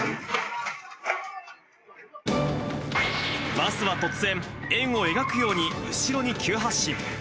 バスは突然、円を描くように後ろに急発進。